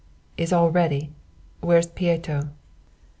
"Is all ready? Where's Pieto?"